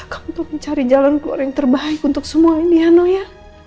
kamu tolong cari jalan keluarga yang terbaik untuk semua ini ya noh ya